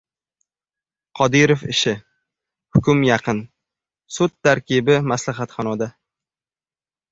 «Qodirov ishi». Hukm yaqin: sud tarkibi maslahatxonada!